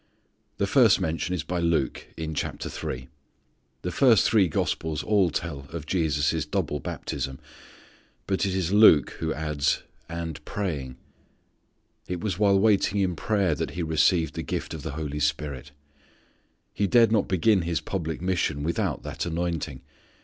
The first mention is by Luke, in chapter three. The first three gospels all tell of Jesus' double baptism, but it is Luke who adds, "and praying." It was while waiting in prayer that He received the gift of the Holy Spirit. He dared not begin His public mission without that anointing.